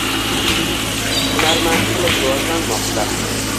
Hunarmandchilik rivojlanmoqda